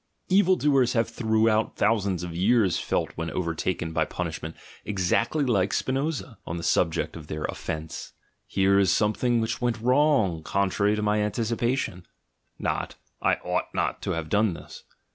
Evil doers have throughout thou sands of years felt when overtaken by punishment exactly like Spinoza, on the subject of their "offence": "here is something which went wrong contrary to my anticipation," not "I ought not to have done this."